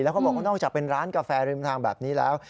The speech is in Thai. เขาบอกว่านอกจากเป็นร้านกาแฟริมทางแบบนี้แล้ว